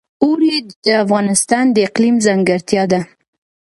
اوړي د افغانستان د اقلیم ځانګړتیا ده.